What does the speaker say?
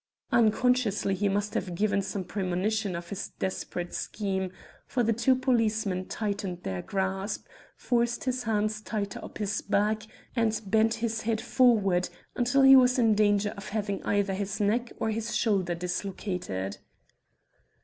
Unconsciously he must have given some premonition of this desperate scheme, for the two policemen tightened their grasp, forced his hands higher up his back, and bent his head forward until he was in danger of having either his neck or his shoulder dislocated.